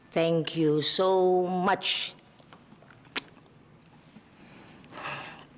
terima kasih banyak